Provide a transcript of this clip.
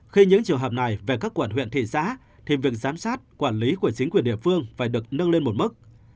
khi những trường hợp này về các quận huyện thị xã thì việc giám sát quản lý của chính quyền địa phương phải được nâng lên một mức